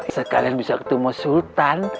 sekalian bisa ketemu sultan